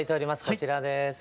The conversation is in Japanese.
こちらです。